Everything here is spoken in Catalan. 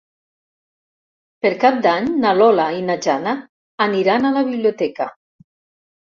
Per Cap d'Any na Lola i na Jana aniran a la biblioteca.